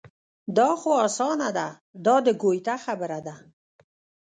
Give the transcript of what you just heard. دا خو اسانه ده دا د ګویته خبره ده.